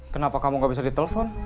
kenapa kamu gak bisa ditelepon